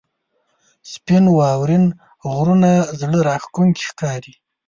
• سپین واورین غرونه زړه راښکونکي ښکاري.